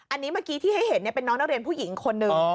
อันนี้เมื่อกี้ที่ให้เห็นเป็นน้องนักเรียนผู้หญิงคนหนึ่ง